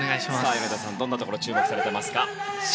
米田さんどんなところ注目されていますか。